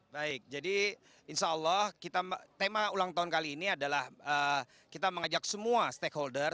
baik jadi insya allah tema ulang tahun kali ini adalah kita mengajak semua stakeholder